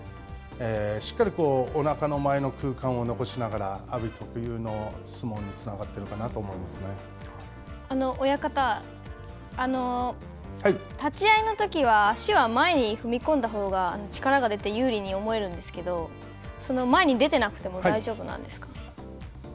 しっかりおなかの前の空間を残しながら、阿炎特有の相撲につなが親方、立ち合いのときは、足は前に踏み込んだほうが力が出て、有利に思えるんですけど前に出てなくても大丈夫なんですか。